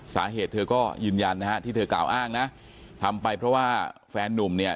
เธอก็ยืนยันนะฮะที่เธอกล่าวอ้างนะทำไปเพราะว่าแฟนนุ่มเนี่ย